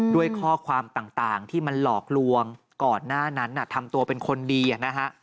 ด้วยข้อความต่างที่มันหลอกลวงก่อนหน้านั้นทำตัวเป็นคนดีนะฮะ